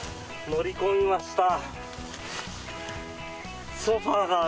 乗り込みました。